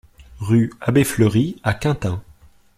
Rue Abbé Fleury à Quintin